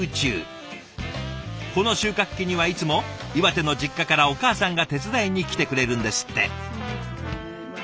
この収穫期にはいつも岩手の実家からお母さんが手伝いに来てくれるんですって。